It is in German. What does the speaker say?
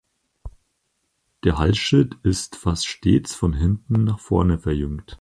Der Halsschild ist fast stets von hinten nach vorne verjüngt.